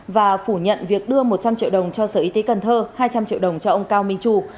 và phủ nhận việc đưa một trăm linh triệu đồng cho sở y tế cần thơ hai trăm linh triệu đồng cho ông cao minh tru